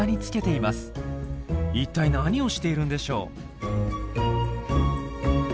いったい何をしているんでしょう？